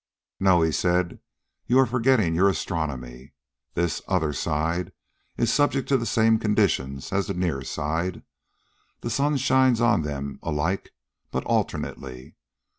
"No," he said. "You are forgetting your astronomy. This 'other side' is subject to the same conditions as the near side. The sun shines on them alike, but alternately.